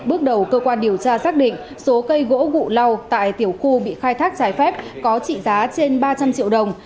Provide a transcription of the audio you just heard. bước đầu cơ quan điều tra xác định số cây gỗ lau tại tiểu khu bị khai thác trái phép có trị giá trên ba trăm linh triệu đồng